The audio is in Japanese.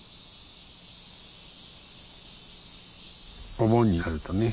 お盆になるとね